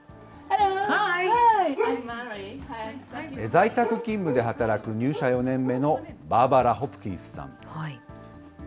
在宅勤務で働く入社４年目のバーバラ・ホプキンスさん。